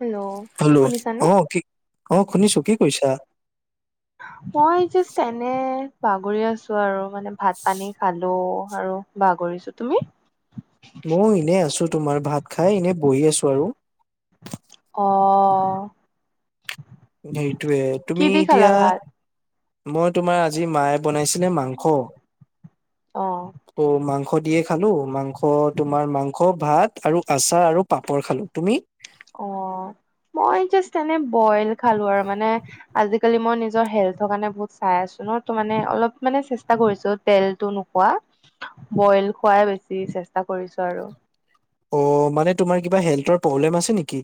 Hello hello শুনিছানে? অ কি অ শুনিছোঁ কি কৰিছা। মই জাষ্ট এনে বাগৰি আছোঁ আৰু মানে ভাত পানী খালোঁ আৰু। বাগৰিছো। তুমি? মই এনে আছোঁ তোমাৰ ভাত খাই এনে বহি আছোঁ আৰু। অ। সেইটোয়ে কি তুমি দি খালা এতিয়া। ভাত? মই তোমাৰ আজি মায়ে বনাইছিলে মাংস। অ। অ মাংস দিয়ে খালোঁ মাংস তোমাৰ মাংস ভাত আৰু আচাৰ আৰু পাপৰ খালোঁ। তুমি? অ মই জাষ্ট এনে বইল খালোঁ আৰু মানে আজিকালি মই নিজৰ হেল্থৰ কাৰণে বহু চাই আছোঁ নহ ত মানে অলপ মানে চেষ্টা কৰিছোঁ তেলতো নোখোৱা। বইল খোৱাই বেছি চেষ্টা কৰিছোঁ আৰু। অ মানে তোমাৰ কিবা হেল্থৰ প্ৰব্লেম আছে নেকি?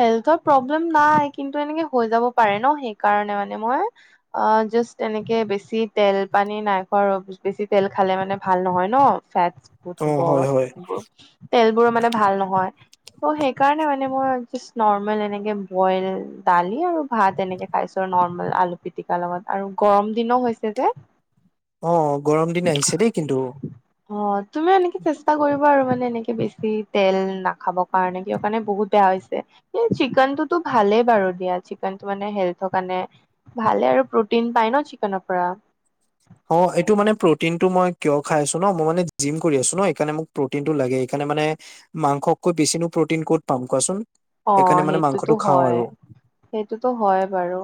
হেল্থৰ প্ৰব্লেম নাই কিন্তু এনেকে হৈ যাব পাৰে নহ সেইকাৰণে মানে মই। অ জাষ্ট এনেকে বেছি তেল পানী নাই খোৱা বেছি তেল খালে মানে ভাল নহয় নহ। ফেটছ বহুত অ হ'ব হয় হয় তেলবোৰো মানে ভাল নহয় ত' সেইকাৰণে মানে মানে মই জাষ্ট নৰ্মেল এনেকে বইল দালি আৰু ভাত এনেকে খাইছোঁ আৰু নৰ্মে আলু পিটিকা লগত আৰু গৰম দিনো হৈছে যে। অ গৰম দিন আহিছে দেই কিন্তু। অ তুমিও এনেকে চেষ্টা কৰিবা আৰু মানে এনেকে বেছি তেল নাখাব কাৰণে কিহৰ কাৰণে বহুত বেয়া হৈছে এ চিকেনটোতো ভালে বাৰু দিয়া চিকেনটো মানে হেল্থৰ কাৰণে। ভালে আৰু প্ৰটিন পায় নহ চিকেনৰ পৰা। অ এইটো মানে প্ৰটিনটো মই কিয় খাই আছোঁ নহ মই মানে জিম কৰি আছোঁ নহ এইকাৰণে মোক প্ৰটিনটো লাগে এইকাৰণে মানে মাংসকৈ বেছিনো প্ৰটিন ক'ত পাম কোৱাচোন? অ সেইকাৰণে মানে সেইটোতো মাংসটো খাওঁ হয়। আৰু সেইটোতো হয় বাৰু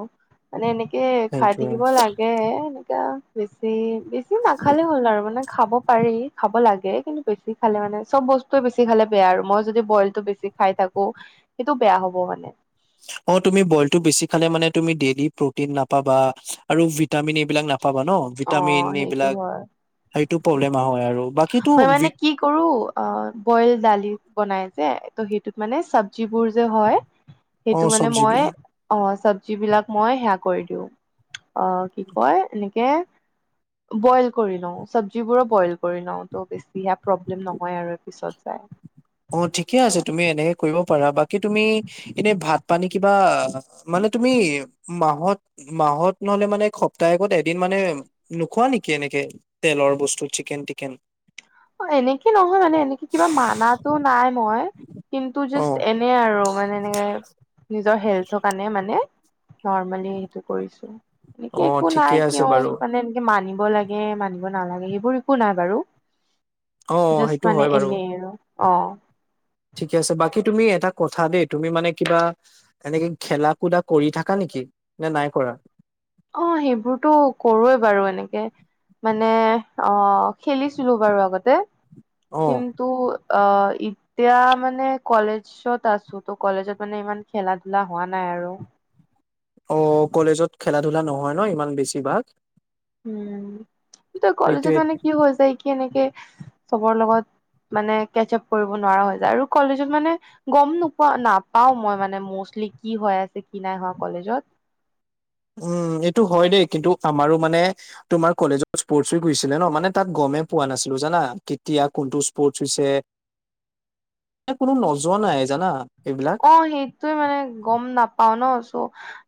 মানে এনেকে খাই সেইটোৱে থাকিব লাগে। এতিয়া বেছি, বেছি নাখালে হ'ল আৰু মানে। খাব পাৰি খাব লাগে কিন্তু বেছি খালে মানে চব বস্তুয়ে বেছি খালে বেয়া আৰু মই যদি বইলটো বেছি খাই থাকোঁ। সেইটো বেয়া হ'ব মানে। অ তুমি বইলটো বেছি খালে মানে তুমি ডেইলি প্ৰ'টিন নাপাবা আৰু ভিট টামিন এইবিলাক নাপাবা নহ ভিটামিন অ', সেইটো এইবিলাক হয়। সেইটো প্ৰব্লেম হয় আৰু। বাকীটো মই ভি মানে কি কৰো অ', বইল দালি বনাই যে ত' সেইটোত মানে চবজিবোৰ যে হয় [inaudible] সেইটো মানে চব্জি মই বিলাক অ', চব্জি বিলাক মই সেয়া কৰি দিওঁ অ' কি কয় এনেকে বইল কৰি লওঁ চব্জি বোৰো বইল কৰি লওঁ ত' বেছিহে প্ৰব্লেম নহয় আৰু পিছত যায়। অ', ঠিকে আছে তুমি এনেকে কৰিব পাৰা বাকী তুমি এনেই ভাত পানী কিবা মানে তুমি মাহত মাহত নহলে মানে সপ্তাহত এদিন মানে নোখোৱা নেকি এনেকে? তেলৰ বস্তু চিকেন টিকেন এনেকে নহয় মানে এনেকে কিবা মানাটো নাই মই কিন্তু অ জাষ্ট এ এ আৰু মানে এনেকে নিজৰ হেল্থৰ কাৰণে মানে নৰ্মেলি সেইটো কৰিছো এনেকে অ একো ঠিকে নাই আছে কিয় বাৰু মানে মানিব লাগে মানিব নালাগে সেইবোৰ একো নাই বাৰু অ অ জাষ্ট সেইটো মানে হয় বাৰু এনেই আৰু অ', ঠিকে আছে বাকী তুমি এটা কথা দেই তুমি মানে কিবা এনেকে খেলা কুদা কৰি থাকা নেকি নে নাই কৰা? অ', সেইবোৰতো কৰোৱে বাৰু এনেকে মানে অ', খেলিছিলোঁ বাৰু আগতে অ কিন টু, আ, ই এতিয়া মানে কলেজত আছো ত' কলেজত মানে ইমান খেলা ধূলা হোৱা নাই আৰু। অ', কলেজত খেলা ধূলা নহয় ন' ইমান বেছি ভাগ। উম, তই কলেজত সেইটোয়ে মানে কি হৈ যায় কি এনেকে চবৰ লগত মানে কেচ আপ কৰিব নোৱাৰা হৈ যায় আৰু কলেজত মানে গম নোপোৱা নাপাও মই মানে মষ্টলি কি হৈ আছে কি নাই হোৱা কলেজত উম, এইটো হয় দেই কিন্তু আমাৰো মানে তোমাৰ কলেজত স্প'ৰ্টছ উইক হৈছিলে ন' মানে তাত গমেই পোৱা নাছিলোঁ জানা কেতিয়া কোনটো স্প'ৰ্টছ হৈছে। কোনো নজনাই জানা? এইবিলাক অ', সেইটোয়ে মানে গম নাপাও ন চ'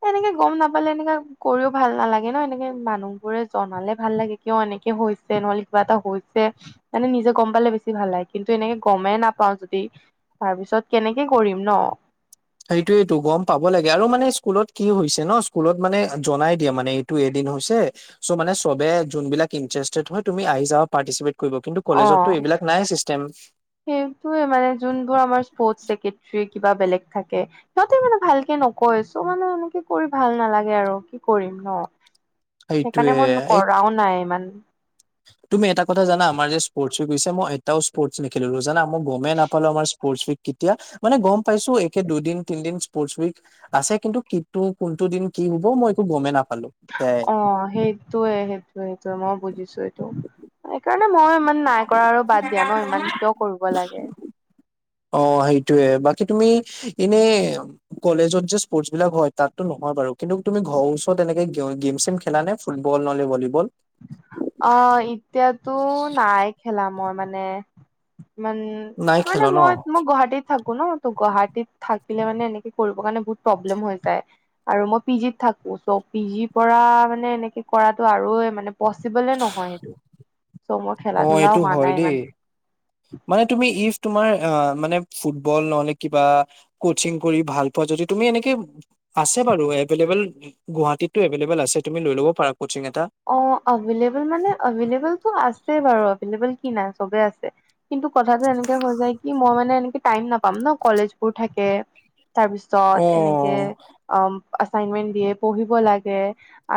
এনেকে গম নাপালে এনেকা কৰিও ভাল নালাগে ন' এনেকে মানুহবোৰে জনালে ভাল লাগে। কিয় এনেকে হৈছে নহলে কিবা এটা হৈছে মানে নিজে গম পালে বেছি ভাল লাগে কিন্তু এনেকে গমেই নাপাও যদি তাৰ পিছত কেনেকে কৰিম ন'? সেইটোয়েইটো গম পাব লাগে আৰু মানে স্কুলত কি হৈছে ন' স্কুলত মানে জনাই দিয়া মানে এইটো এদিন হৈছে চ' মানে চবে যোনবিলাক ইণ্টাৰেষ্টেড হয় তুমি আহি যা পাৰ্টিচিপেট কৰিব কিন্তু অ কলেজতটো এইবিলাক নাই চিষ্টেম। সেইটোয়ে মানে যোনবোৰ আমাৰ স্পৰ্টছ ছেক্ৰেট্ৰী কিবা বেলেগ থাকে সিহঁতে মানে ভালকে নকৈ চ' মানে এনেকে কৰি ভাল নালাগে আৰু কি কৰিম ন'? সেইকাৰণে সেইটোয়ে মোন এই কৰাও নাই ইমান। তুমি এটা কথা জানা, আমাৰ যে স্পৰ্টছ উইক হৈছে, মই এটাও স্পৰ্টছ নেখেলিলো জানা, মই গমেই নাপালো আমাৰ স্পৰ্টছ উইক কেতিয়া, মানে গম পাইছো একে দুদিন তিনিদিন স্পৰ্টছ উইক আছে কিন্তু কিটো কোনটো দিন কি হব মই একো গমেই নাপালো সেয়াই। অ', সেইটোয়ে - সেইটোয়ে - সেইটোয়ে, মই বুজিছো মানে মই ইমান নাই কৰা আৰু বাদ দিয়া ন' ইমান কিয় কৰিব লাগে? অ, সেইটোৱে। বাকী তুমি এনে, কলেজত যে স্পৰ্টছ বিলাক হয়, তাতো নহয় বাৰু। কিন্তু তুমি ঘৰৰ ওচৰত এনেকে গেম চেম খেলা নে? ফুটবল নহ'লে ভলিবল? অ, এতিয়াতো নাই খেলা মই মানে ইমান। নাই কে খেল মানে ন মই মোক গুৱাহাটীত থাকো ন। ত' গুৱাহাটীত থাকিলে মানে এনেকে কৰিব কাৰণে বহুত প্ৰব্লেম হৈ যায়। আৰু মই পি জিত থাকো। চ' পি জি পৰা মানে এনেকে কৰাটো আৰুয়ে মানে পচিবলে নহয় সেইটো। চ' মোৰ খেলা অ এইটো ধূলাও হোৱা হয় নাই দেই ইমান। মানে তুমি ইফ তোমাৰ আ মানে ফুটবল নহলে কিবা, কচিং কৰি ভাল পোৱা। যদি তুমি এনেকে আছে বাৰু এভেইলেবল গুৱাহাটীতটো এভবল আছে। তুমি লৈ ল'ব পাৰা কচিং এটা। অ এভেইলেবল মানে এভেইলেবলটো আছে বাৰু এভেইলেবল কি নাই, চবে আছে। কিন্তু কথাটো এনেকে হৈ যায়, কি মই মানে এনেকে টাইম নাপাম ন। কলেজ বোৰ থাকে তাৰ পিছত অ এনেকে অ আচাইনমেন্ দিয়ে, পঢ়িব লাগে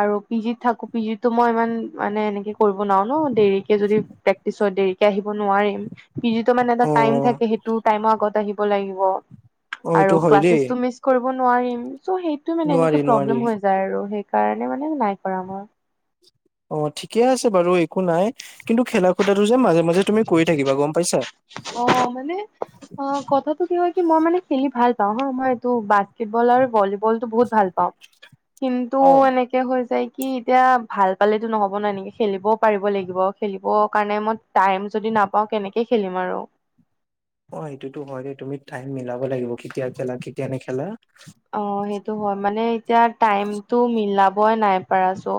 আৰু পি জ থাকো যি টো মই ইমান মানে এনেকে কৰিব নোৱাৰো ন, দেৰিকে যদি প্ৰেক্টিচ হয় দেৰি আহিব নোৱাৰিম। পিজিটো মানে এটা অ টাইম থাকে, সেইটো টাইমৰ আগত আহিব লাগিব। অ এইটো আৰু হয় দেই ক্লাসেছটো মিছ কৰিব নোৱাৰিম। চ' সেইটোৱে মানে নোৱাৰি এনেকে নোৱাৰি প্ৰব্লেম হৈ যাই আৰু সেইকাৰণে মানে নাই কৰা মই। অ, ঠিকে আছে বাৰু একো নাই। কিন্তু খেলা খূতাটো যে মাজে মাজে তুমি কৰি থাকিবা গম পাইছা? অ, মানে? অ, কথাটো কি হয় কি, মই মানে খেলি ভাল পাওঁ হা। মই এইটো বাস্কেটবল আৰু ভলী বলতো বহুত ভাল পাওঁ কিন্তু অ এনে তে হৈ যায় কি এতিয়া ভাল পালেতো নহ'ব ন, এনেকে খেলিবও পাৰিব লাগিব। খেলিব কাৰণে মই টাইম যদি নাপাওঁ কেনেকে খেলিম আৰু। অ, এইটোতো হয় দে। তুমি টাইম মিলাব লাগিব। কেতিয়া খেলা কেতিয়া নেখেলা। অ, সেইটো হয় মানে এতিয়া টাইমটো মিলাবই নাই পাৰা চ'।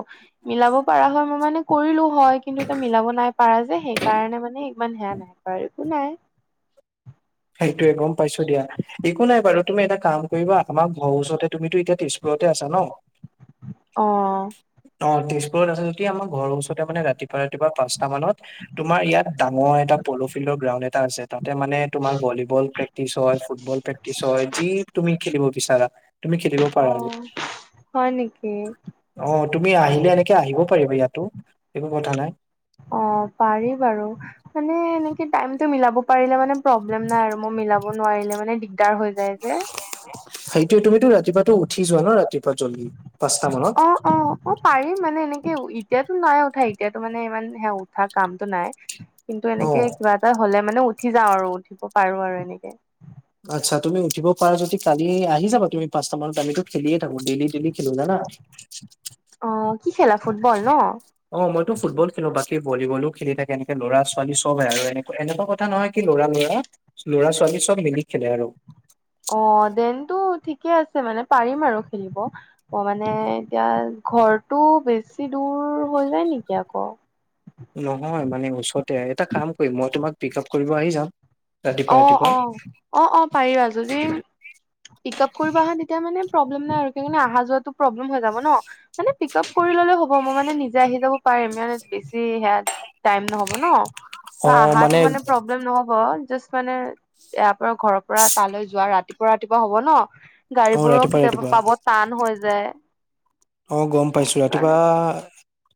মিলাব পাৰা হয় মই মানে কৰিলো হয়। কিন্তু এতিয়া মিলাব নাই পাৰা যে সেইকাৰণে মানে ইমান সেয়া নাই ৰা একো নাই। সেইটোৱে, গম পাইছো দিয়া। একো নাই বাৰু তুমি এটা কাম কৰিবা? আমাক ঘৰ ওচৰতে তুমিতো এতিয়া তেজপুৰতে আছা ন? [inaudible] অ। অ, তেজপুৰত আছে যদি আমাৰ ঘৰৰ ওচৰতে মানে ৰাতিপুৱা ৰাতিপুৱা পাঁচটা মানত তোমাৰ ইয়াত ডাঙৰ এটা প'ল' ফিল্ডৰ গ্ৰাউণ্ড এটা আছে। তাতে মানে তোমাৰ ভলীবল প্ৰেক্টিচ হয়, ফুটবল প্ৰেক্টিচ হয়। যি তুমি খেলিব বিচাৰা। তুমি খে অ, হয় নেকি? অ, তুমি আহিলে এনেকে আহিব পাৰিবা ইয়াতো। একো কথা নাই। অ, পাৰি বাৰু। মানে এনেকে টাইমটো মিলাব পাৰিলে মানে প্ৰব্লেম নাই আৰু মই মিলাব নোৱাৰিলে মানে দিগ দাৰ হৈ যায় যে। সেইটোৱে, তুমিতো ৰাতিপুৱাতো উঠি যোৱা ন, ৰাতিপা জল্দি পাঁচটা অ', মানত। অ', অ পাৰিম মানে এনেকে এতিয়াতো নাই উঠা। এতিয়াতো মানে ইমান সে উঠা কামটো নাই। কিন্তু অ এনেকে কিবা এটা হলে মানে উঠি যাওঁ আৰু উঠিব পাৰো আৰু এনেকে। আচ্ছা, তুমি উঠিব পাৰা যদি কালি আহি যাবা তুমি পাঁচটা মানত। আমি টো খেলিয়ে থাকো। ডেইলি ডেইলি খেলো, জানা? [unintelligible] অ' কি খেলা ফুটবল ন? অ' মইতো ফুটবল খেলোঁ, বাকী ভলীবলো খেলি থাকে এনেকে ল'ৰা-ছোৱালী চবে আৰু এনে। এনেকুৱা কথা নহয় কি ল'ৰা-ল'ৰা, ল'ৰা- ছোৱালী চব মিলি খেলে আৰু। অ' দেনটো ঠিকে আছে মানে পাৰিম আৰু খেলিব। অ' মানে এতিয়া ঘৰটো বেছি দূৰ হৈ যায় নেকি আকৌ নহয়, মানে ওচৰতে এটা কাম কৰিম মই তোমাক পিক আপ কৰিব আহি যাম। ৰাতিপুৱা অ' ৰাতিপুৱা অ', অ' অ' পাৰিবা যদি পিক আপ কৰিব আহে তেতিয়া মানে প্ৰব্লেম নাই আৰু, সেইকাৰণে আহা যোৱাটো প্ৰব্লেম হৈ যাব ন। মানে পিক আপ কৰি ললেও হ'ব, মই মানে নিজে আহি যাব পাৰিম। মই মানে বেছি সেইয়া টাইম নহ'ব। হ'ব ন, ত আহাটো মানে প্ৰব্লেম নহ'ব, জাষ্ট মানে ইয়াৰ ঘৰ পুৱা তালৈ যোৱা ৰাতিপুৱা-ৰাতিপুৱা হ'ব ন, অ গাড়ীবোৰো ৰাতিপুৱা কেতিয়াবা ৰাতিপুৱা পাব টান হৈ যায়। অ' গম ত' পাইছোঁ, ৰাতিপুৱা সেইকাৰণে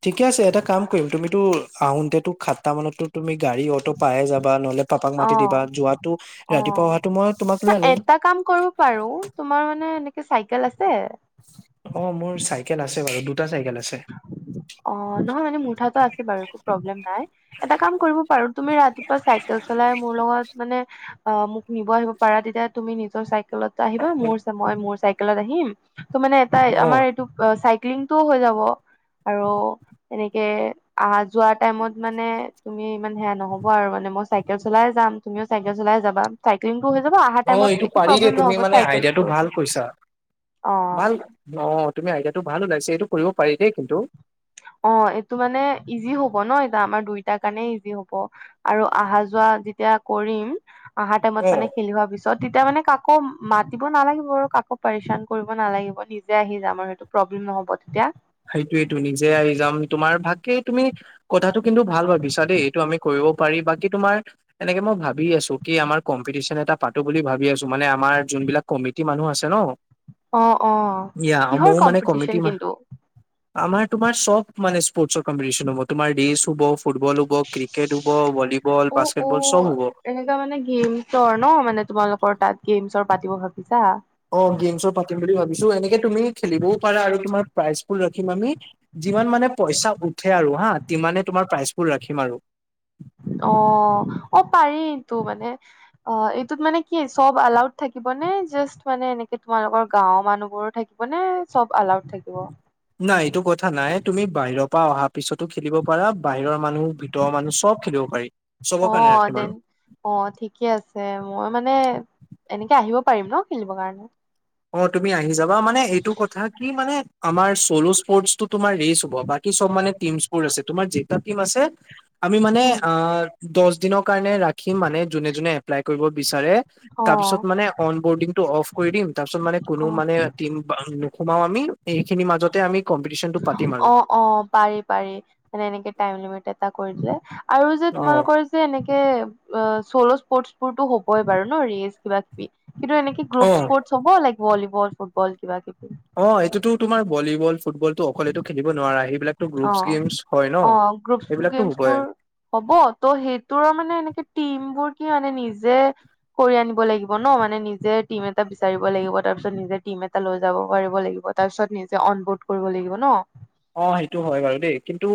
ঠিকে আছে, এটা কাম কৰিম তুমিতো আহোতে তো সাতটা মানতো তুমি গাড়ী, অটো পাই যাবা, নহ'লে পাপাক মাতি দিবা, অ', যোৱাটো ৰাতিপুৱা অ'। অহাটো মই তোমাক লৈ আনিম। এটা কাম কৰিব পাৰোঁ তোমাৰ মানে এনেকে চাইকেল আছে? অ' মোৰ চাইকেল আছে বাৰু, দুটা চাইকেল আছে। অ' নহয় মানে মোৰটা তো আছে বাৰু একো প্ৰব্লেম নাই। এটা কাম কৰিব পাৰো, তুমি ৰাতিপুৱা চাইকেল চলাই মোৰ লগত মানে অ' মোক নিব আহিব পাৰা, তেতিয়া তুমি নিজৰ চাই চাইকেলত আহিবা, মোৰ মই মোৰ চাইকেলত আহিম। ত' মানে এটা অ আমাৰ তো পুৱা চাইক্লিং টোও হৈ যাব। আৰু এনেকে অহা-যোৱা টাইমত মানে তুমি ইমান সেইয়া নহ'ব আৰু মানে মই চাইকেল চলাই যাম। তুমিও চাইকেল চলাই যাবা। চাইক্লিংটো হৈ যাব, অহা অ টাইমত এইটো একো পাৰি দেই প্ৰব্লেম তুমি নহ'ব মানে আইডিয়াটো চাইকেলতো ভাল কৈছা অ'। ভাল, অ' তুমি আইডিয়াটো ভাল ওলাইছা, এইটো কৰিব পাৰি দেই কিন্তু। অ' এইটো মানে ইজি হ'ব ন, এইয়া আমাৰ দুইটাৰ কাৰণে ইজি হ'ব। আৰু অহা-যোৱা যেতিয়া কৰিম, আহা টাইমত অ মানে খেলিম ভাবিছোঁ। চ তেতিয়া মানে কাকো মাতিব নালাগিব, কাকো পৰিশ্ৰান কৰিব নালাগিব। নিজে আহি যাম আৰু সেইটো। প্ৰব্লেম নহ'ব তেতিয়া। সেইটোয়েতো নিজে আহি যাম। তোমাৰ ভাগকে তুমি কথাটো কিন্তু ভাল ভাবিছা দেই, এইটো আমি কৰিব পাৰি। বাকী তোমাৰ এনেকে মই ভাবি আছোঁ, কি আমাৰ কম্পিটিশ্যন এটা পাতোঁ বুলি ভাবি আছোঁ। মানে আমাৰ যোনবিলাক কমিটি মানুহ আছে ন'। অ', অ', ইয়া কিহৰ ময়ো মানে কমিটি কম্পিটিচন মা কিন্তু? আমাৰ তোমাৰ চব মানে স্পৰ্টছ ৰ কম্পিটিশ্যন হ'ব, তোমাৰ ৰেচ হ'ব ফুটবল হ'ব, ক্ৰিকেট হ'ব, ভলীবল, বাস্কেটবল চব হ'ব। এনেকুৱা মানে গেমছৰ ন' মানে তোমালোকৰ তাত গেমছৰ পাতিব ভাবিছা। অ', গেমছৰ পাতিম বুলি ভাবিছোঁ, এনেকে তুমি খেলিবও পাৰা আৰু তোমাৰ প্ৰাইজবোৰ ৰাখিম আমি। যিমান মানে পইচা উঠে আৰু হা সিমানে তোমাৰ প্ৰাইচবোৰ ৰাখিম আৰু। অ' অ' পাৰি এইটো মানে। অ', এইটোত মানে কি চব এলাউড থাকিব নে, জাষ্ট মানে এনেকে তোমালোকৰ গাঁওৰ মানুহবোৰো থাকিব। মানে চব এলাউড থাকিব। নাই এইটো কথা নাই, তুমি বাহিৰ পা অহা পিছতো খেলিব পৰা বাহিৰৰ মানুহ, ভিতৰৰ মানুহ চব খেলিব পাৰি চবৰ কাৰণে ৰাখে মানুহ। অঁ, ঠিকে আছে মই মানে এনেকে আহিব পাৰিম ন' খেলিবৰ কাৰণে? অঁ, তুমি আহি যাবা মানে এইটো কথা কি মানে আমাৰ চলো স্পৰ্টটো তোমাৰ ৰেচ হ'ব বাকী চব মানে টিমছ বোৰ আছে তোমাৰ যেটা টিম আছে, আমি মানে উম আহ' দচ দিনৰ কাৰণে ৰাখিম মানে যোনে যোনে এপ্লাই কৰিব বিচাৰে। অ তাপিছত মানে অন বৰ্ডিং টো অ'ফ কৰি দিম তাপিছত মানে, কোনো অ মানে টিম বাও নোসোমাওঁ আমি এইখিনি মাজতে আমি কম্পিটিশন টো পাতিম আৰু। অঁ, পাৰি পাৰি মানে এনেকে টাইম লিমিট এটা কৰি দিলে আৰু যে অ তোমালোকৰ যে এনেকে অ', চ'ল' স্পৰ্ট বোৰতো হ'বই বাৰু ন' ৰেচ কিবা কিবি কিন্তু এনেকে অ গ্ৰুপ স্পৰ্ট চবৰে লাগিব ভলিবল, ফুটবল কিবা কিবি। অঁ, এইটোতো তোমাৰ ভলীবল, ফুটবল টো অকলেটো খেলিব নোৱাৰা হি ইবলাকতো গ্ৰুপচ অ গেমছ হয় ন' অ গ্ৰুপ সেইবিলাকতো গেমছ হ'বই। বোৰ হ'ব ত' সেইটোৰ' মানে এনেকে টিম বোৰ কি মানে নিজে কৰি আনিব লাগিব ন' মানে নিজে টিম এটা বিচাৰিব লাগিব, তাৰপিছত নিজে টিম এটা লৈ যাব পাৰিব লাগিব। তাৰ পিছত নিজে অনবৰ্ড কৰিব লাগিব ন'? অঁ, সেইটো হয় বাৰু দেই কিন্তু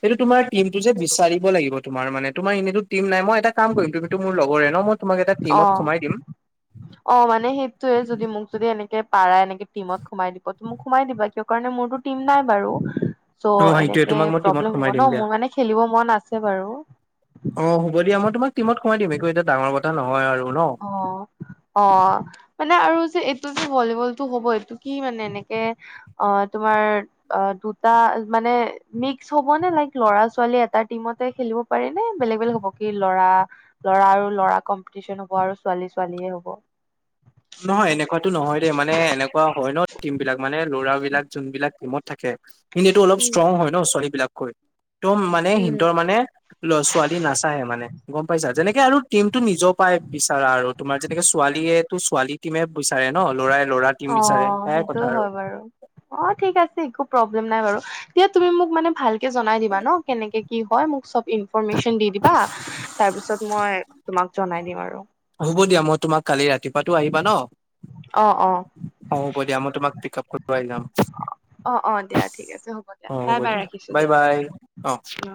সেইটো তুমাৰ টিমটো যে বিচাৰিব লাগিব, তোমাৰ মানে তোমাৰ এনেইতো টিম নাই মই এটা কাম কৰি, ম তুমিতো মোৰ লগৰে ন' মই তোমাক এটা টিমত অঁ, সোমাই দিম অঁ, মানে সেইটোয়ে যদি মোক যদি এনেকে পাৰা এনেকে টিমত সোমাই দিব ত' মোক সোমাই দিবা, কিয় কাৰণে মোৰতো টিম নাই বাৰু। অ চ' সেইটোৱে এনেকে তোমাক মই টিমত প্ৰব্লেম হ'ব সোমাই দিম ন' মোৰ মানে খেলিব মন আছে বাৰু অঁ হ'ব দিয়া, মই তোমাক টিমত সোমাই দিম একো এতিয়া ডাঙৰ কথা নহয় আৰু ন'? অঁ, মানে আৰু যে এইটো যে ভলীবলটো হ'ব এইটো কি মানে এনেকে অঁ তোমাৰ অ', দুটা মানে মিক্স হ'ব নে লাইক লৰা ছোৱালী এটা টিমতে খেলিব পাৰে নে বেলেগ বেলেগ হ'ব, কি ল'ৰা, লৰা আৰু ল'ৰা কম্পিটিচন হ'ব আৰু ছোৱালী ছোৱালীয়ে হ'ব? নহয়, এনেকুৱাতো নহয় ৰে মানে এনেকুৱা হয় ন' টিম বিলাক মানে লৰাবিলাক যোনবিলাক টিমত থাকে হিন্দীটো অলপ উম, ষ্ট্ৰং হয় ন' ছোৱালী বিলাককৈ ত' মানে উম। হিনহঁৰ মানে ল ছোৱালী নাচায়ে মানে গ'ম পাইছা যেনেকে আৰু টিম টো নিজ পাই বিচাৰা আৰু তোমাৰ যেনেকে ছোৱালীয়ে টো ছোৱালী টিমে বিচাৰে ন', ল'ৰাই ল'ৰাক অঁ সেইটোয়ে হয় বাৰু অঁ ঠিক আছে, একো প্ৰব্লেম নাই বাৰু দিয়া তুমি মোক মানে ভালকে জনাই দিবা ন' কেনেকে কি হয়, মোক চ'ব ইনফৰমেশচন দি দিবা তাৰ পিছত মই তোমাক জনাই দিম আৰু। হ'ব দিয়া মই তোমাক কালি ৰাতিপুৱাতো আহিবা ন? অ', অ'। অঁ হ'ব দিয়া মই তোমাক পিক আপ কৰিব আহি যাম। অ', অ', দিয়া ঠিক আছে দিয়া অঁ হ'ব বাই বাই দিয়া, ৰাখিছোঁ বাই বাই অঁ। অ।